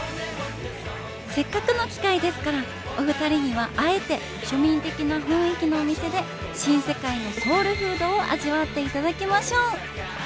せっかくの機会ですからお二人にはあえて庶民的な雰囲気のお店で新世界のソウルフードを味わっていただきましょう。